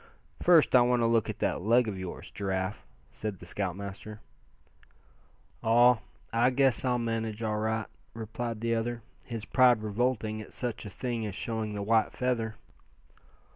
"First, I want to look at that leg of yours, Giraffe," said the scoutmaster. "Aw! guess I'll manage all right," replied the other, his pride revolting at such a thing as showing the white feather.